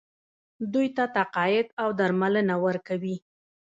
دوی ته تقاعد او درملنه ورکوي.